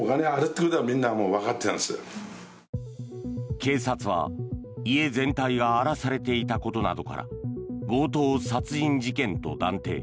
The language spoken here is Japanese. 警察は、家全体が荒らされていたことなどから強盗殺人事件と断定。